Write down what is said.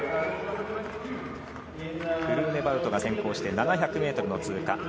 フルーネバウトが先行して７００ｍの通過。